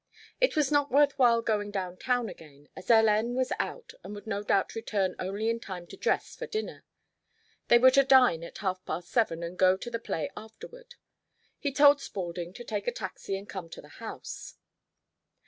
It was not worth while going down town again, as Hélène was out and would no doubt return only in time to dress for dinner. They were to dine at half past seven and go to the play afterward. He told Spaulding to take a taxi and come to the house.